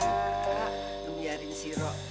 nggak biarin siro